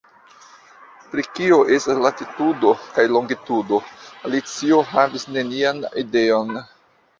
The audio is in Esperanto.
Pri kio estas latitudo kaj longitudo Alicio havis nenian ideon.